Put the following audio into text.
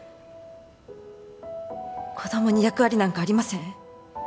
子供に役割なんかありません。